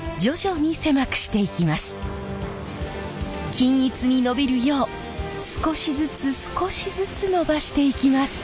均一にのびるよう少しずつ少しずつのばしていきます。